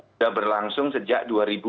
sudah berlangsung sejak dua ribu enam belas